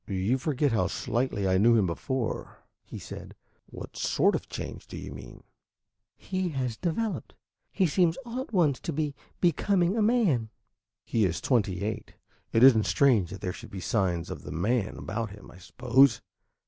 "You forget how slightly I knew him before," he said. "What sort of a change do you mean?" "He has developed. He seems all at once to be becoming a man." "He is twenty eight. It is n't strange that there should be signs of the man about him, I suppose."